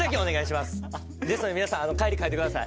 ですので皆さん帰り書いてください。